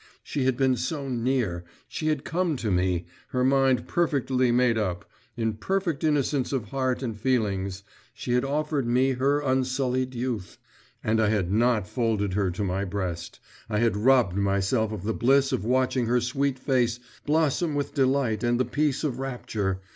… She had been so near, she had come to me, her mind perfectly made up, in perfect innocence of heart and feelings, she had offered me her unsullied youth … and I had not folded her to my breast, I had robbed myself of the bliss of watching her sweet face blossom with delight and the peace of rapture.